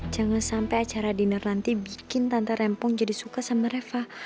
jangan sampai acara dinner nanti bikin tante rempong jadi suka sama reva